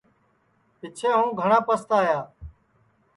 پِچھیں ہُوں گھٹؔا پستایا